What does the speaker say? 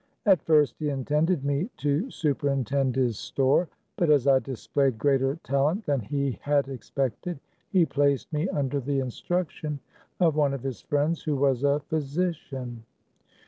At first he intended me to super intend his store ; but as I displayed greater talent than he had expected, he placed me under the instruction of one of his friends, who was a physician.